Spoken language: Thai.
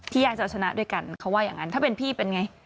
อยากจะเอาชนะด้วยกันเขาว่าอย่างนั้นถ้าเป็นพี่เป็นไง